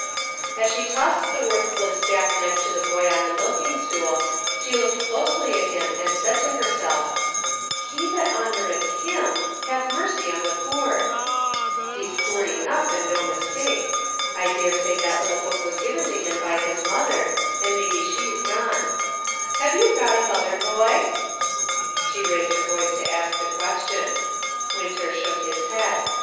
As she tossed the worthless jackknife to the boy on the milking stool, she looked closely at him and said to herself: "' He that honoreth Him hath mercy on the poor.' He's poor enough, and no 70 UNSEEN COimNECTIONS. mistake. I dare say that little book was given to him by his mother, and maybe she's gone. Have you got a mother, boy ?" She raised her voice to ask the question. Win ter shook his head.